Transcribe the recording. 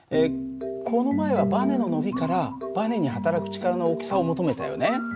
この前はバネの伸びからバネに働く力の大きさを求めたよね。